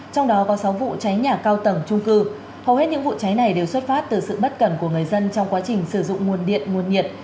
trong đó có sáu vụ cháy nhà cao tầng trung cư hầu hết những vụ cháy này đều xuất phát từ sự bất cần của người dân trong quá trình sử dụng nguồn điện nguồn nhiệt